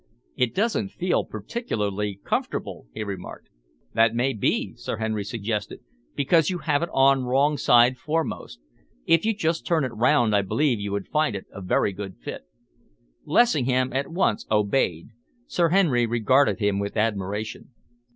"It doesn't feel particularly comfortable," he remarked. "That may be," Sir Henry suggested, "because you have it on wrong side foremost. If you'd just turn it round, I believe you would find it a very good fit." Lessingham at once obeyed. Sir Henry regarded him with admiration.